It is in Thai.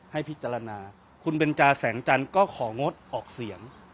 ให้พิจารณาคุณเบนจาแสงจันทร์ก็ของงดออกเสียง